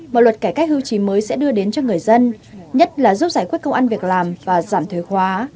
mà luật cải cách hưu trí mới sẽ đưa đến cho người dân nhất là giúp giải quyết công ăn việc làm và giảm thuế khóa